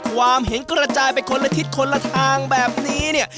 ความเห็นกระจายไปคนละทิศคนละทางแบบนี้เนี่ย